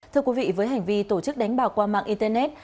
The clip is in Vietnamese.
thưa quý vị với hành vi tổ chức đánh bào qua mạng internet